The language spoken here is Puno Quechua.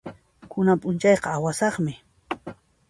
Kunan p'unchayqa awasaqmi.